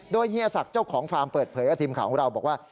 โดยเฮียสักเจ้าของฟาร์มเปิดเผยกระทิมของเราบอกว่า